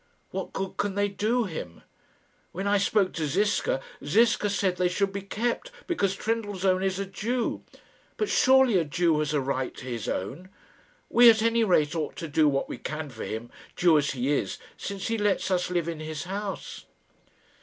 What good can they do him? When I spoke to Ziska, Ziska said they should be kept, because Trendellsohn is a Jew; but surely a Jew has a right to his own. We at any rate ought to do what we can for him, Jew as he is, since he lets us live in his house."